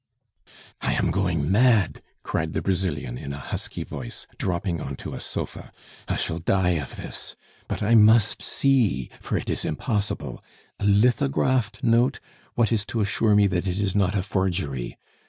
"I am going mad!" cried the Brazilian, in a husky voice, dropping on to a sofa. "I shall die of this! But I must see, for it is impossible! A lithographed note! What is to assure me that it is not a forgery?